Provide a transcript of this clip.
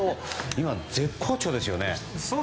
今、絶好調ですよね。